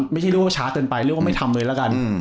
ไม่ใช่เรียกว่าช้าเกินไปเรียกว่าไม่ทำเลยละกัน